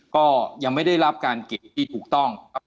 ก็ยังไม่ได้รับการเก็บที่ถูกต้องครับ